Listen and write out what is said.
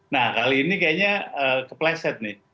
nah kali ini kayaknya kepleset nih